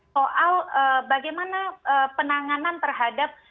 soal bagaimana penanganan terhadap